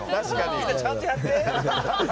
みんな、ちゃんとやって！